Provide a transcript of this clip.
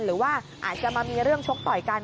หรือว่าอาจจะมามีเรื่องชกต่อยกัน